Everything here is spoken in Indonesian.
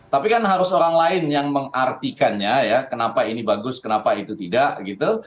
tapi kan harus orang lain yang mengartikannya ya kenapa ini bagus kenapa itu tidak gitu